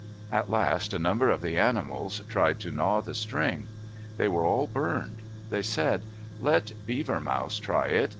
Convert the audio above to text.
At last a number of the animals tried to gnaw the string. They were all burned. They said, "Let Beaver Mouse try it.